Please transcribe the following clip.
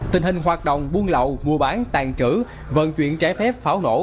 tình hình hoạt động buôn lậu mua bán tàn trữ vận chuyển trái phép pháo nổ